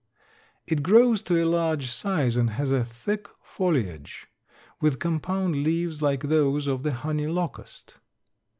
It grows to a large size and has a thick foliage, with compound leaves like those of the honey locust.